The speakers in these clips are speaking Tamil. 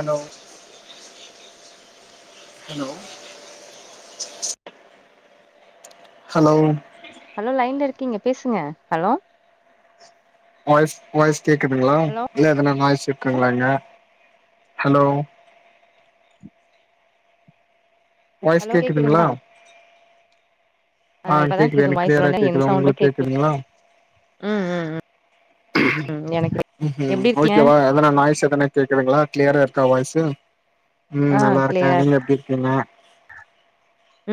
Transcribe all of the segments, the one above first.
ஹலோ ஹலோ ஹலோ ஹலோ லைன்ல இருக்கீங்க பேசுங்க ஹலோ வாய்ஸ் வாய்ஸ் கேக்குதுங்ளா ஹலோ இல்ல எதனா நாய்ஸ் சிக்குங்கலாங்க ஹலோ வாய்ஸ் ஹலோ கேக்குதுங்ளா கேக்குதுங்களா ஆ இப்பதா கேக்குது எனக்கு வாய்ஸ் இவ்ளோ கிளியரா நேரோ எந்த கேக்குது சவுண்டு உங்களுக்கு கேக்கல கேக்குதுங்ளா ம் ம் ம் ம் எனக்கு ம்ஹும் எப்டி இருக்கீங்க ஓகேவா எதனா நாய்ஸ் எதனா கேக்குதுங்ளா கிளியரா இருக்கா வாய்ஸு ம் ஆ நல்லா இருக்கே கிளியரா இரு நீங்க எப்டி இருக்கீங்க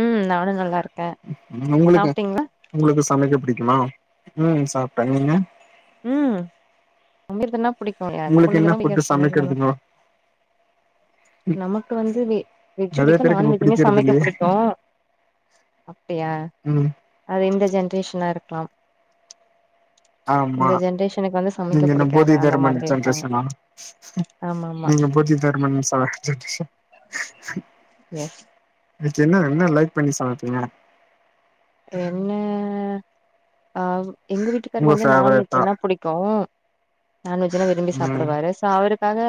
ம் நானு நல்லா இரு உங்களுக்கு உங்களுக்கு சமைக்க பிடிக்குமா ம் சாப்ட்ட நீங்க ம் சமைக்கறதுனா பிடிக்கு ஏ எந்த உங்களுக்கு என்ன பொண்ணுக்குதா ஃபுட்டு புடிக்காது சமைக்கறதுனா சமைக்கிறதுங்கோ நமக்கு வந்து வெ வெஜ்ஜு நெறைய புடிக்கு பேருக்கு நான் இப்ப வெஜ்ஜுமே பிடிக்கிறது சமைக்க இல்லையே புடிக்கு அப்டியா ம் அது இந்த ஜென்ரேஷனா இருக்கலா ஆமா நீங்க என்ன போதி அந்த தர்மன் மாதிரி இருப்பாங்க ஜென்ரேஷனா ஆமா ஆமா நீங்க போதி தர்மன் [unintelligible] எஸ் இன்னைக்கு என்ன என்ன லைக் பண்ணி சமப்பீங்க என்ன அ எங்க வீட்டுக்காரருக்கு உங்க வந்து நான் ஃபேவரட்டா வெஜ்ஜுனா புடிக்கு நான் வெஜ்ஜுனா விரும்பி ம் சாப்பிடுவாரு சோ அவரு காக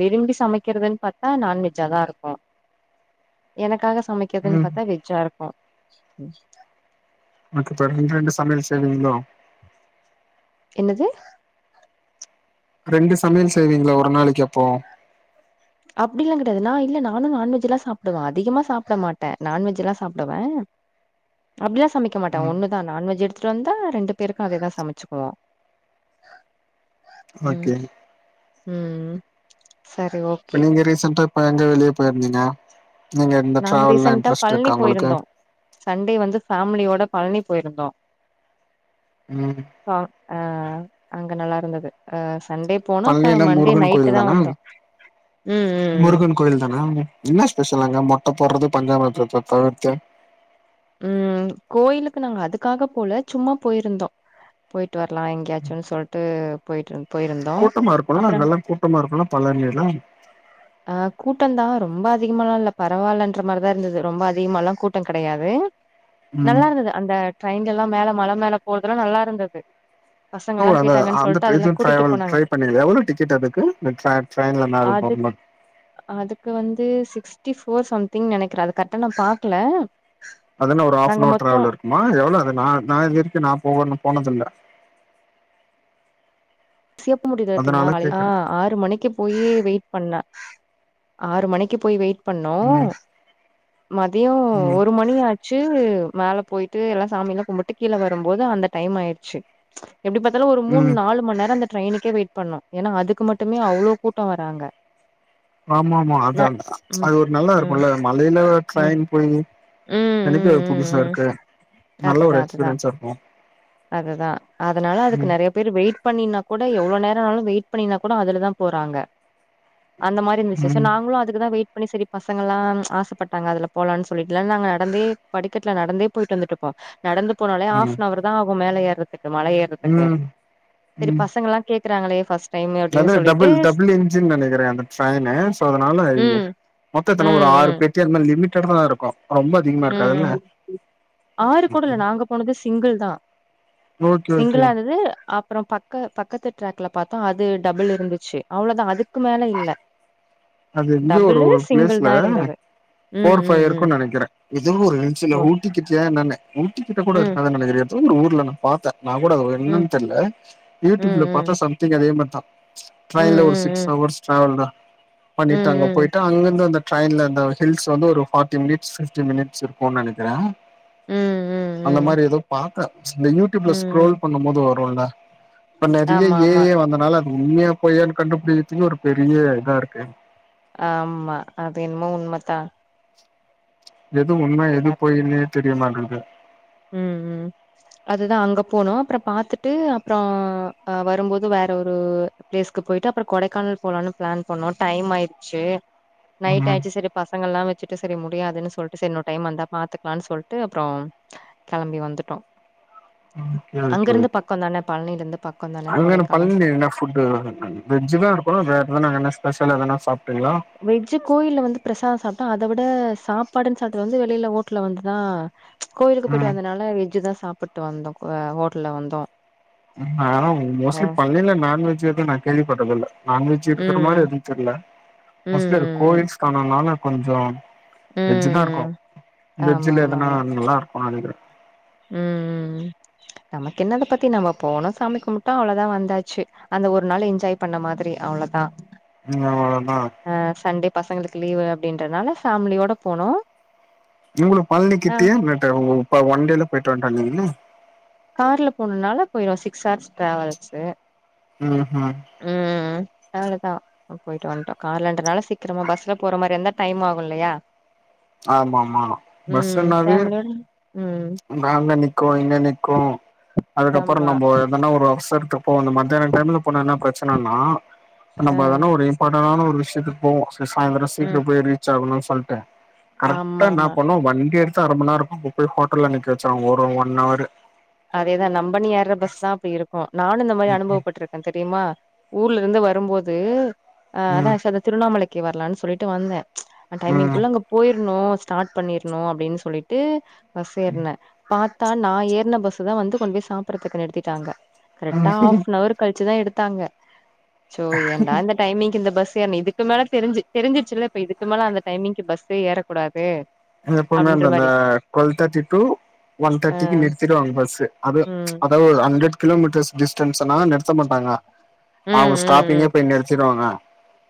விரும்பி சமைக்கிறதுன் பாத்தா நான் வெஜ்ஜாதா இருக்கு எனக்காக சமைக்கிறதுன் ம் பாத்தா வெஜ்ஜா இருக்கு மத்த [unintelligible] ரெண்டு சமயல் செய்வீங்ளோ என்னது ரெண்டு சமையல் செய்வீங்ளோ ஒரு நாளைக்கு அப்போ அப்டியெல்லாங் கெடையாது நா இல்ல நானு நான்வெஜ்ஜெல்லா சாப்பிடுவே அதிகமா சாப்பிட மாட்டே நான் வெஜ் எல்லா சாப்பிடுவே அப்டியெல்லா சமக்க மாட்டே ம் ஒண்ணுதா நான் வெஜ் எடுத்துட்டு வந்தா ரெண்டு பேருக்கு அதேதா சமச்சுக்குவோ ஓகே ம் சரி ஓகே நீங்க ரீசண்ட்டா இப்ப எங்க வெளிய போயிருந்தீங்க நீங்க இந்த நாங்க டிராவல்லா ரீசண்ட்டா இன்ட்ரெஸ்ட் பழனி இருக்கா உங்களுக்கு போயிருந்தோ சண்டே வந்து ஃபேமிலியோட பழனி போயிருந்தோ ம் சோ ஆ அங்க நல்லா இருந்தது அ சண்டே போனோ அப்றோ பழனினா மண்டே முருகன் கோயில் நைட்டுதா தான வந்தோ ம் ம் முருகன் கோயில்தானா என்ன ஸ்பெஷல் அங்க மொட்ட போடறது பஞ்சாமிர்தத்த தவிர்த்து ம் கோயிலுக்கு நாங்க அதுக்காக போல சும்மா போயிருந்தோ போய் ட்டு வர்லா எங்கேயாச்சுன் சொல்ட்டு போயிட்டு இருந் போயிருந்தோம் கூட்டமா இருக்குல்ல அப்பறம் அங்கெல்லா கூட்டமா இருக்குல்ல பழனில கு கூட்டம் தா ரொம்ப அதிகமல்லாம் இல்ல பரவாயில்லன்ற மாரிதா இருந்தது ரொம்ப அதிகமால்லா கூட்டம் கெடையாது ம் நல்லாருந்தது அந்த ட்ரெயின்லல்லா மேல மலமேல போறதுல்லா நல்லா இருந்தது ஓ பசங்கல்லா அந்த கேட்டாங்கன்னு அந்த சொல்ட்டு அதுல ட்ரைய்ன் கூட்டிட்டு ட்ராவல் போனாங்க ட்ரை பண்ணி எவ்ளோ டிக்கெட் அதுக்கு ட்ராக் ட்ரெய்ன்ல மே போகனும் ச [unintelligible] இங்கு வந்து சிக்ஸ்டி ஃபோர் சம்திங் நெனைக்கிறே அது கரெக்டா நா பாக்கல அது என்ன ஒரு ஹாஃப் நாங்க னவர் மொத்தோ ட்ராவல் இருக்குமா எவ்ளோ அது நா நா இதுவரைக்கு நா போகணு போனதில்ல [unintelligible] முடியுதுத்தமா அதனால காலல கேக்குறே ஆறு மணிக்கு போயி வெயிட் பண்ண ஆறு மணிக்கு போய் வெயிட் பண்ணோ ம் மதிய ம் ஒரு மணி ஆச்சு டு மேல போயிட்டு எல்லா சாமியெல்லாம் கும்பிட்டு கீழ வரும்போது அந்த டைம் ஆயிடுச்சி எப்டி பாத்தாலும் ஒரு ம் மூன்நாலு மண்நேரம் அந்த ட்ரெயினுக்கே வெயிட் பண்ணும் ஏன்னா அதுக்கு மட்டுமே அவ்ளோ கூட்ட வராங்க ஆமாமா ந அந்ததா ம் அது ஒரு நல்லா இருக்கும் ம் இல்ல மலையில ம் ம் ட்ரய்ன் போயி ம் எனக்கே ஒரு ம் புதுசா ம் இருக்கு நல்ல அதுதா ஒரு அதுதா எக்ஸ்பீரியன்ஸா இருக்கும் அதுதா அதனால அதுக்கு நெறைய பேர் வெயிட் பண்ணினா கூட இல்ல எவ்ளோ நேர ஆனாலு வெயிட் பண்ணினா கூட அதுல தா போறாங்க அந்த மாரி இருந்துச்சு சோ ம் நாங்களு அதுக்குதா வெயிட் பண்ணி சரி பசங்க எல்லா ஆசப்பட்டாங்க அதுல போலான் சொல்லி இதுல்லா நாங்க நடந்தே படிக்கட்ல நடந்தே போயிட்டுந்துட்டுப்போம் நடந்து போனாலே ம் ஆப்னவர் தாஆகு மேல ஏற இக்குமலை ஏறதுக்கு ம் சரி பசங்க எல்லா கேக்குறாங்களே பஸ்ட் அதா டபுள் டபுள் என்ஜின் நெனைக்கிறே அந்த ட்ரெய்னு சோ அதனால இங்க ம் மொத்த ம் எத்தன ஒரு ஆறு ம் பெட்டி அதுமாரி லிமிட்டடாதா இருக்கும் ம் ஆறுகூடல்ல நாங்க போனது சிங்கிள் தா ஓகே ஓகே சிங்கிளாந்தது அப் அப்றொ பக்க பக்கத்து ட்ராக்ல பார்த்தோ அது டபுள் இருந்துச்சு அவ்ளதா அதுக்கு மேல இல்ல அது இந்த ஒரு டபுளு ஒரு சிங்கிள் பிளேஸ்ல தா இருந்தது ம் போர் பைவ் ம் ம் இருக்குனு நெனைக்கிறே எதோ ஒரு ஹில்ஸ்ல ஓ ஊட்டிக்கிட்டயா என்னனு ஊட்டிக்கிட்ட கூட ம் இருக்காதுன்னு எதோ ஒரு ஊர்ல நா பாத்தே நா கூட அது ம் என்னன்னு தெர்ல ம் யூடியூப்ல பாத்தா ம் சம்திங் அதே மார்தா ம் ம் ட்ரெய்ன்ல ஒரு ம் சிக்ஸ் ஹவர்ஸ் டராவல் தா ம் பண்ணிட்டு ம் அங்க ம் போயிட்டு அங்கிருந்து அந்த ட்ரெயின்ல இந்த ஹில்ஸ் வந்து ஒரு ஃபாட்டி மினிட்ஸ் பிப்டி மினிட்ஸ் இருக்கும்னு நெனக்கிறே ம் ம் அந்த ம் மாரி எதோ பாத்தே இந்த யூடியூப்ல ம் ம் ஸ்க்ரோல் பண்ணும் போது வருல்ல இப்ப நெறைய ஆமா ஏ ஆமா ஐ வந்தனால அது உண்மையா பொயான்னு கண்டுபிடிக்கத்துக்கே ஒரு பெரிய இதா இருக்கு ஆமா அது என்னமோ உண்மைதான் எது உண்மை எது பொய்யின்னே தெரிய மாட்டது ம் ம் அதுதா அங்க போனும் அப்புறம் பாத்துட்டு அப்புறம் அ‌ வரும்போது வேற ஒரு ப்ளே ஸ்கு போயிட்டு அப்புறம் கொடைக்கானல் போலான்னு பிளான் பண்ணோ டைம் ஆயிடுச்சி நைட் ம் ஆயிருச்சு சரி பசங்கல்லா வச்சுட்டு சரி முடியாதுன்னு சொல்லிட்டு சரி இன்னொரு டைம் வந்தா பாத்துக்கலாம் சொல்லிட்டு அப்றொ கெளம்பி வந்துட்டோம் ஓகே அங்கிருந்து பக்கம் தானே பழனியில இருந்து பக்கம் அங்கன்ன பழனில என்ன புட்‌ வெஜ் தா இருக்கும் வேற எதனா ஸ்பெஷல்லா எதானசாப் வெஜ் கோயில்ல வந்து பிரசாதம் சாப்டோ அத விட சாப்பாடுன்னு சாப்பிட்டு வந்து வெளியில ஓட்டு்ல வந்துதான் கோயிலுக்கு போயிட்டு ம் வந்ததுனால வெஜ் தான் சாப்பிட்டு வந்தோம் ஹோட்ல வந்தோம் ஆனா மோஸ்ட்லி பழனில நான்வெஜ் ஏதும் நா கேள்விபட்டது இல்ல நான்வெஜ் இருக்கிற மாரி ம் எதும் தெரில மோஸ்ட்லி அது ம் ம் கோவில்ஸ்தளன்னால கொஞ்சம் வெஜ் தா இருக்கும் ம் ஆமா வெஜ்ல ஆமா எதனா ஆமா நல்லா இருக்கும்னு‌ நெனைக்கிறே ம் ம் உம் நமக்கென்னா அத பத்தி நம்ம போனோம் சாமி கும்முட்டோ அவ்ளோதான் வந்தாச்சு அந்த ஒரு நாள் என்ஜாய் பண்ண மாதிரி அவ்ளோதான் ம் அவ்லோதான் பசங்களுக்கு லீவு அப்டின்றதுனால ஃபேமிலியோட போனோ இவ்ளோ பழனி அ கிட்டயே பட்டு ஒன் டேல பெட்ரோல் டங்க் இன்னு கார்ல போணுனால போயிருவ சிக்ஸ் ஹார்ஸ் ட்ராவல்ஸ்ஷு ம் ஆ அவ்ளதா போய்ட்டு வந்ட்டோ கார்லன்றனால சீக்கிரமா பஸ்ல போற மாரி இருந்தா டைம் ஆகுல்லையா ஆமாமா பஸ்னாவே ஃபேமிலியோட ம் நா அங்கங்க நிக்கு இங்கங்க நி கு அதுக்கப்பறோ ஆமா நம்போ எத்தனா ஒரு அவசர்த்க்குபோனு மத்தியானோ டைம்ல போணு என்ன பிரச்சனன்னா ஆ நம்ம எதனா ஒரு இம்பார்டனான ஒரு விஷ்யத்துக்கு போவோ சாயந்தரோ ம் சீக்கிரம் போய் ரீச் ஆகம்னு சொல்ட்டு கரெக்டா ஆமா என்ன ஆமா பண்ணு வண்டிய எக்சா அர மண்ணேரோ போய் ஹோட்டல்ல அன்னைக்கு வச்சாங்க ஒரு ஒன் ஹவரரு அதேதா நம்பன் ஏற்ற பஸ் தா அப்டி இருக்கு நானு இந்த மாரி அனுபவப்பட்ருக்கே தெரியுமா ஊர்ல இருந்து வரும்போது அஹ் அதா ம் ஆ அந்த திருண்ணாமலைக்கு வர்லான்னு சொல்லிட்டு வந்தே ம் டைமிங்குள்ள அங்க போயிர்ணு ஸ்டார்ட் பண்ணிர்ணு அப்டின்னு சொல்லிட்டு பஸ் ஏறுன பாத்தா நா ஏறுன பஸ் தா வந்து கொண்டு போய் சாப்புட்றதுக்குனு நிறுத்திட்டாங்க ம் கரெக்டா ஆப்ஃனஹவர் கழுச்சுதா எடுத்தாங்க சோ ஏன்டா இந்த டைமிங் இந்த பஸ் சேரினு இதுக்கு மேல தெரிஞ்சு தெரிஞ்சிருச்ச இப்ப இதுக்கு மேல அந்த டைமிங்கு பஸ்ஸே ஏறக்கூடாது எப்பவுமே அப்டின்ற அந்த மாரி ட்வல் தேர்ட்டி டூ ஒன் அ தேர்ட்டிக்கி நிறுத்திடுவாங்க ங்க பஸ்ஸு அது ம் அதாவ்து ஒரு ஹண்ட்ரட் கிலோமீட்டர்ஸ் டிஸ்டன்ஸ் [unintelligible] நிறத்த மாட்டாங்க ம் அவுங்க ஸ்டாப்பிங்கே ம் ம் போய் நிறுத்திடுவாங்க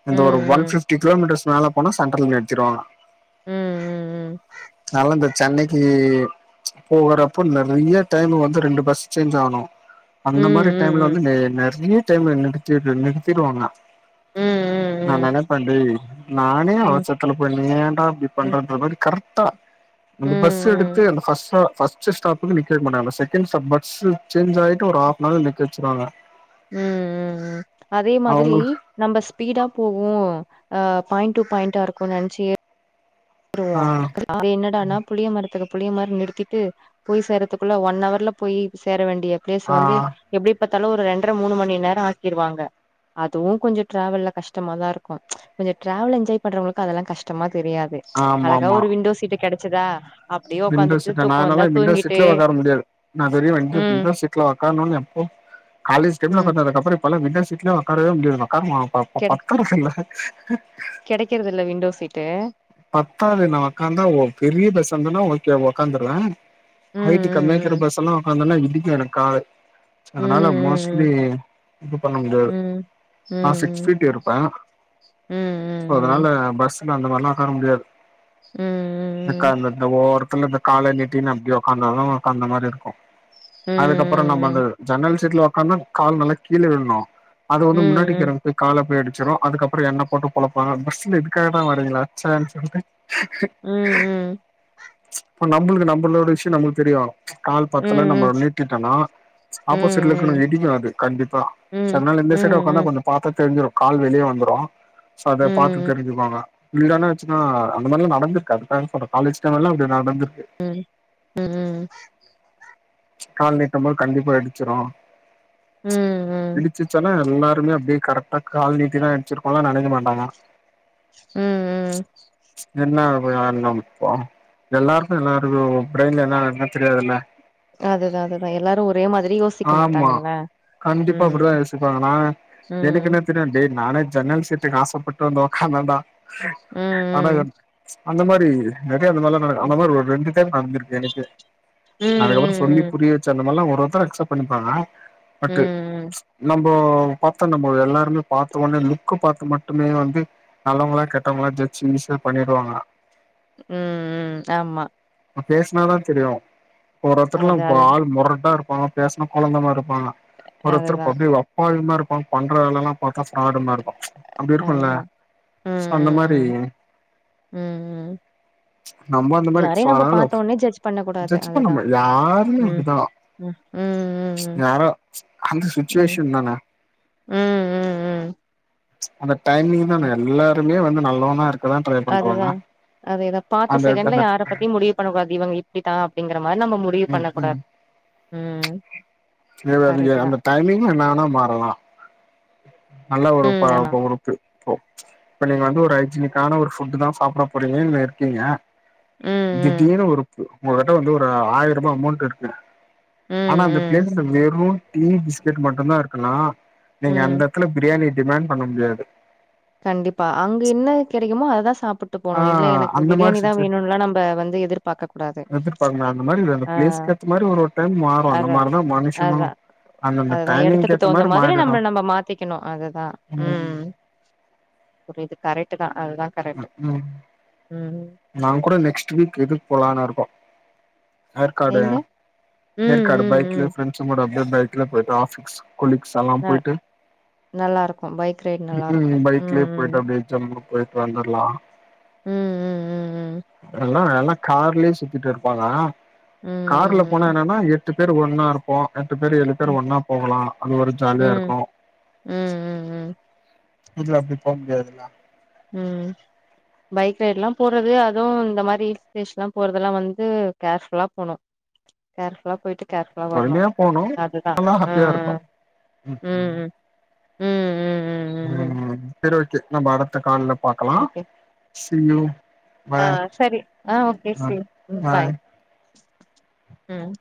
இந்த ஒரு ஒன் ம் பிஃப்டி கிலோமீட்டர்ஸ் மேல போனா சென்டர்ல நிறுத்திடுவாங்க ம் ம் ம் ம் அத்லா இந்த சென்னைக்கி போகறப்ப நிறைய டைம் வந்து ரெண்டு பஸ் சேஞ்ச் ஆகணு ம் ம் அந்த மாரி டைம்ல ம் வந்து நெ [unintelligible] டைம்ல நிறுத்திடுங் நிறுத்திடுவாங்க ம் ம் நாங்க ம் என்ன பண்றது நானே ம் ம் அவசரத்துல போய்னு நீ ஏண்டா அப்டி ம் ம் பண்றது மாரி கரெக்டா ம் இந்த பஸ் ம் எடுத்து அந்த ஃபஸ்ஸா ஃபர்ஸ்ட்டு ஸ்டாப்புக்கு நிக்க வைக்க மாட்டாங்க செகண்ட் ஸ்டாப் பஸ்ஸு சேஞ்ச் ஆயட்டு ஒரு ஹாஃப்னவரு நிக்கவச்சுருவாங்க உம் ம் அதே மாதிரி அவங்களுக்கு நம்ம ஸ்பீடா போகும் அ பாயிண்ட் டு பாயிண்டா இருக்கும் நெனச்சு ஏற் வருருவா ஆ [inaudible] அவர் என்னடானா புளிய மரத்துக்கு அதே மாரி நிறுத்திட்டு போய் சேர்றதுக்குள்ள ஒன் ஹவர்ல போயி சேர வேண்டிய பிளேஸ் ஆ வந்து எப்டி த்தால ஒரு ரெண்டரை மூணு மணி நேரோ ஆக்கிடுவாங்க அதுவு கொஞ்சொ ட்ராவல்ல கஷ்டமா தா இருக்கு கொஞ்சொ ட்ராவல் என்ஜாய் பண்றவங்களுக்கு அதெல்லா கஷ்டமா தெரியாது ஆமா அழகா ஆமா ஒரு விண்டோ சீட்டு கெடச்சதா அப்டியே விண்டோ உக்காந்துட்டு சீட்டா தூக்கோ வந்தா நானெல்லா விண்டோ தூங்கிட்டு சீட்ல ஒக்கார முடியாது நா தெரியு விண் ம் விண்டோ சீட்ல உக்காரணும்னு எப்போ காலேஜ் டைம்ல ம் உக்காந்தது அதுக்கப்பறோ இப்பெல்லா விண்டோ சீட்லயே உட்காரவே முடியாது உக்காருமா கெடை ப இல்ல கெடைக்கிறது இல்ல விண்டோ சீட்டு பத்தாவது நா உக்காந்தா ஓ பெரிய பஸ்ஸா வந்தென்னா ஓகே உக்காந்துடுவே ம் ஹைட்டு கம்மியாருக்ற ம் பஸ்னா உக்காந்தேனா இடிக்கு எனக்கு காலு அதுனால மோஸ்ட்லி ம் இது பண்ண முடியாது ம் ம் நா சிக்ஸ் ம் ஃபீட் இருப்ப ம் அதுனால பஸ் அந்த மாத்ரில்லா உக்கார முடியாது ம் எனக்கு ம் அந்தந்த ஓரோ அந்தந்த கால நீட்டினு அப்டி உக்காந்தாதா உக்காந்த மாரி இருக்கு அதுக்கப்புறோ நம்ம அந்த ம் ஜன்னல் சீ சீட்ல ஒக்காந்தா கால் நல்லா கீழ விழ்ணு அது வந்து ம் முன்னாடிக்றவங்ளுக்கு கால போய் இடிசு அதுக்கப்பறோ என்ன போட்டு பொழப்பாங்க பஸ்ஸுல இதுக்காக தா வரீங்களா ச்ச சொல்லிட்டு ம் ம் ச்ச நம்மளுக்கு நம்மளோட விஷ்யோ நம்மளுக்கு தெரியு கால் ம் பத்தல ம் ம் நம்ம நீட்டிட்டோம்னா ம் ஆப்போசிட்ல இருக்றவங்க ம் இடிக்கும் அது கண்டிப்பா அதுனால எந்த சைடா ம் ம் உட்காந்தா கொஞ்சொ பாத்தா தெருஞ்சிரு கால் வெளிய வந்துரு சோ அத ம் பாத்து தெரிஞ்சுகோங்க இல்லனுச்சா அந்த மாதிரில்லா நட இருக்கு அது காலேஜ் டைம்லாம் அப்படி நடந்து ம் ம் ம் கால் நீட்டம் போது கண்டிப்பா இடிச்சிரு ம் ம் இடிச்சச்சன்னா எல்லாருமே அப்படியே கரெக்டா கால் நீட்டி தான் இடிச்சிருக்கோன்ல்லா நினைக்க மாட்டாங்க ம் ம் என்ன ஒரியாடணம்பா எல்லாருக்கு எல்லாரு பிரெயின்ல என்னன தெரியாதுல்ல அதுதா அதுதா எல்லாரு ஒரு ஆமா கண்டிப்பா அப்படித்தா ம் யோசிப்பாங்க நான் எனக்கு ம் என்ன தெரியும் டே நானே ஜன்னல் சீட்டு காசப்பட்டு வந்து ஒக்காந்தன்தான்டா ம் ஆனா ம் அந்த மாரி அந்த மாரில்லாம் அந்த ம் மாரி ஒரு ரெண்டு டைம் நடந்திருக்கு எனக்கே அதுக்கப்புற சொல்லி ம் புரிய வச்சு அந்த மாறிலா ஒரு ஒருதர் அக்சப்ட் பண்ணிப்பாங்க ம் பட் ம் நம் போ பத்தா நம்ம எல்லாருமே பாத்தோனே லுக் பாத்து மட்டுமே வந்து நல்லவங்களா கெட்டவங்களான்னு ஜ வெச்சு ஈஸியா பண்ணிடுவாங்க ம் ம் ஆமா பேசினாதா தெரியு ஒரு ஒருத்தரரெல்லா அது இப்ப அது ஆள் முரட்டா இருப்பாங்க பேசுனா கொழந்தமாரி இருப்பாங்க ஒருத்தர் ப அதுதா அப்டியே அப்பாவி மாரிருப்பாங்க பண்ற வேலல்லா ஆடுமாருக்கும் அப்படி இருக்கும்ல்ல அதுதா ம் அந்த மாதிரி ம் ம் ம் ம் மாரி சோ யாரையு நம்ம அதனால பாத்தோ உடனே ஜட்ஜ் பண்ண கூடாது ஜட்ஜ் பண்ண அதுதா முடியாது யாருமே உம் அப்டிதா ம் ம் ம் ம் யாரோ அந்த ம் சுச்சுவேஷன் தான ம் ம் அந்த டைமிங் தான் ம் எல்லாருமே வந்து நல்லவ னா இருக்க அதுதா அதேதா பாத்த அந்த செகண்ட்ல அந்த யார பத்தியு முடிவு பண்ணக்க கூடாது இவங்க இப்படித்தா அந்த மாரி நம்ம முடிவு ம் பண்ணக்கூடாது ம் ம் கரெக்ட்டு தா அந்த டைமிங்ல என்னவேனா மாறலா நல்லா ம் ஒருப்பா ஆமா உறுக்கு ஓ இப்ப நீங்க வந்து ஒரு ஐஜினிக்கான ஒரு புட் தான் சாப்பிட போறீங்க நீங்க இருக்கீங்க ம் திடீர்னு ஒருப்பு உங்க கிட்ட வந்து ஒரு ஆயிர ரூபா அமௌண்ட் இருக்கு ம் ஆனா ம் அந்த ம் பிளேஸ்ல வெறும் டீ பிஸ்கெட் மட்டந்தா இருக்கன்னா நீங்க ம். அந்த இடத்துல பிரியாணி டிமண்ட் பண்ண முடியாது அதான் சாப்பிட்டு ஆ போனும் இல்ல எனக்கு பிரியாணி தா வேணும்ல்லா நம்ம வந்து எதிர்ப் எதிர்பா அந்த மாதிரி அந்த ப்பிளேஸ்க்கு ஏத்த மாதிரி ஒரு ஒரு டைம் மாறும் அந்த மாரிதா மனுஷங்களு அந்தந்த அதுதா டைமிங்க்கு எடத்துக்கு ஏத்த தகுந்த மாரி மாதிரி மாறிடு நமளா நம்ம மாத்திக்கணு அததா ம் இது கரெக்ட் தா அதுதா கரெக்ட் ம் ம். நாங்க கூட நெக்ஸ்ட் வீக் இதுக்கு போலான்னு இருக்கோ ஏற்காடு எங்க? ம், ஏற்காடு ம், ம். பைக்ல பிரண்ட்ஸ் கூட அப்படியே பைக்ல போய் ஆபீக்ஸ் கொலிக்ஸ்ல்லா நல் போயிட்டு நல்லாருக்கும். பைக் ரைட் நல்லாருக்கும். ம் பைக்லயே ம். போயிட்டு அப்படியேச்ச போய்ட்டு வந்துடலா ம் ம் ம், ம். எல்லா எல்லா கார்லயே சுத்திட்டு இருப்பாங்க ம், கார்ல போனா ம், என்னன்னா எ எட்டு பேர் ஒன்னா இருப்போ எட்டு பேரு ஏழு பேர் ம். ஒன்னா போகலா அது ஒரு ஜாலியா இருக்கு ம், ம், ம், இதுல அப்டி போக முடியாதுல்ல ம் பைக் ரைட் எல்லா போறது அதுவு இந்த மாதிரி ஹில் ஸ்டேஷன் எல்லா போறதெல்லா வந்து கேர்புல்லா போனும் கேர் புல்லா போயிட்டு கேர்புல்லா வரணும் பொறுமையா போனு அதுதா நல்லா ஹாப்பியா இருக்கு ம் ம் ம் ம் ம் சரி ஓகே நம்ம அடுத்த கால்ல பாக்கலா ஓகே சீயூ ஆ சரி ஆ ஓகே ச பாய் ம்